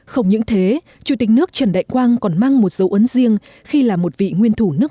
không những thế chủ tịch nước trần đại quang còn mang một dấu ấn riêng khi là một vị nguyên thủ nước